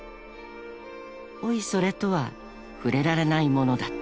［おいそれとは触れられないものだった］